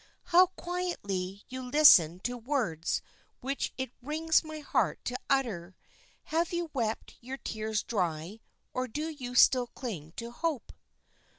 "How quietly you listen to words which it wrings my heart to utter. Have you wept your tears dry, or do you still cling to hope?"